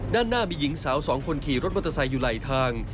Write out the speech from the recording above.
ด้านหน้ามีหญิงสาวสองคนขี่รถมอเตอร์ไซค์อยู่ไหลทาง